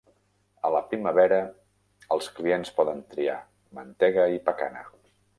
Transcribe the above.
A la primavera, els clients poden triar mantega i pacana.